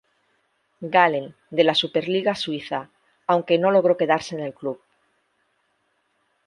Gallen de la Super Liga Suiza, aunque no logró quedarse en el club.